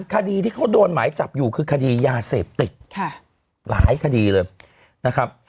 คดีที่เขาโดนหมายจับอยู่คือคดียาเสพติดหลายคดีเลยนะครับ